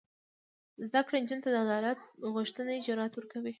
زده کړه نجونو ته د عدالت غوښتنې جرات ورکوي.